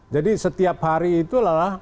jadi setiap hari itulah